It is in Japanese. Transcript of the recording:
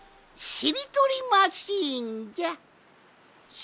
しりとりマシーン？